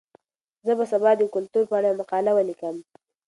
زه به سبا د کلتور په اړه یوه مقاله ولیکم.